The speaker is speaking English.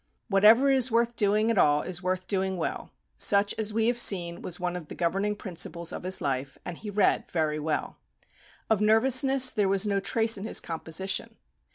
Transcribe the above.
"Whatever is worth doing at all is worth doing well," such as we have seen was one of the governing principles of his life; and he read very well. Of nervousness there was no trace in his composition.